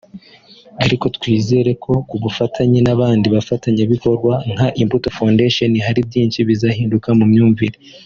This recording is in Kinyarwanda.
ariko twikizera ko ku bufatanye n’abandi bafatanyabikorwa(Nka Imbuto Foundation) hari byinshi bizanahinduka mu myumvire